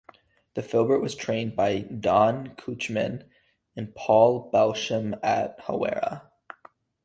The Filbert was trained by Don Couchman and Paul Belsham at Hawera.